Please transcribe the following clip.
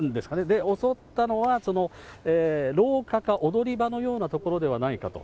で、襲ったのは、廊下か踊り場のような所ではないかと。